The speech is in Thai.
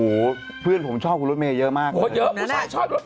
ฮูเพื่อนผมชอบคุณรถเมย์เยอะมากแล้วนะ